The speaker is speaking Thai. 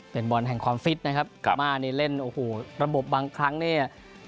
เป็นบอลแห่งความฟิตนะครับกลับมานี่เล่นโอ้โหระบบบางครั้งเนี่ย